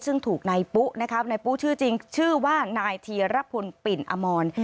ซึ่งถูกนายปุ๊นะครับนายปุ๊ชื่อจริงชื่อว่านายธีรพลปิ่นอมร